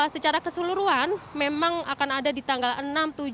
secara keseluruhan memang akan ada di tanggal enam tujuh dan delapan maret